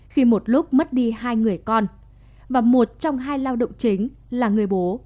khi một lúc mất đi hai người con và một trong hai lao động chính là người bố